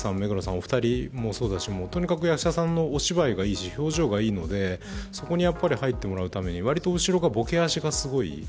お二人ともそだし役者さんのお芝居がいいし表情がいいのでそこにやっぱり入ってもらうためにわりと後ろがぼけ足が強い。